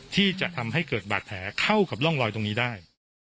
ที่จะทำให้เกิดบาดแผลเข้ากับร่องรอยตรงนี้ได้